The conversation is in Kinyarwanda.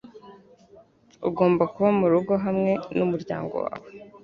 Ugomba kuba murugo hamwe numuryango wawe.